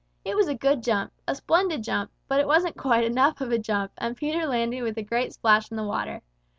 It was a good jump a splendid jump but it wasn't quite enough of a jump, and Peter landed with a great splash in the water!